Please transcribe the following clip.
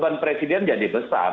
beban presiden jadi besar